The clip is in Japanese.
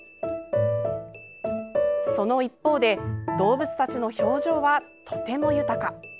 その一方で動物たちの表情はとても豊か。